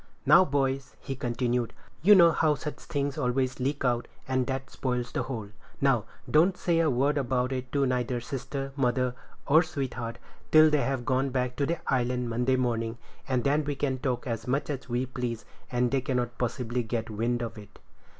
"Now, boys," he continued, "you know how such things always leak out, and that spoils the whole. Now, don't say a word about it to neither sister, mother, or sweetheart, till they have gone back to the island Monday morning, and then we can talk as much as we please, and they cannot possibly get wind of it."